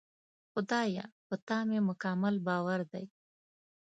خدایه! په تا مې مکمل باور دی.